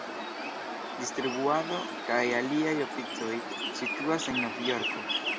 Distribuado kaj aliaj oficoj situas en Novjorko.